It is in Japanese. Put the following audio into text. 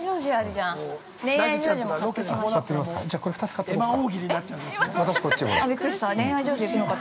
じゃあこれ、２つ買っとこっか。